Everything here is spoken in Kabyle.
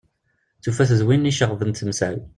Tufa-t d win i iceɣben-tt temsal.